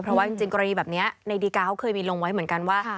เพราะว่าจริงกรณีแบบนี้ในดีกาเขาเคยมีลงไว้เหมือนกันว่า